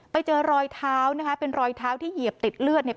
ไปเจอรอยเท้านะคะเป็นรอยเท้าที่เหยียบติดเลือดเนี่ย